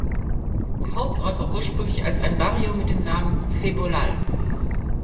Der Hauptort war ursprünglich als ein Barrio mit dem Namen "Cebollal".